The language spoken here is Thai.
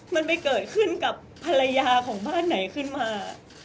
มันไปเกิดขึ้นกับภรรยาของบ้านไหนขึ้นมา